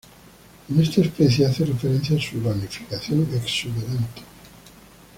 En esta especie hace referencia a su ramificación exuberante.